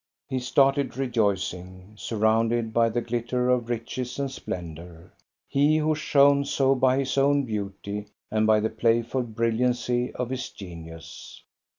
He started rejoicing, surrounded by the glitter of riches and splendor, he who shone so by his own beauty and by the playful brilliancy of his genius.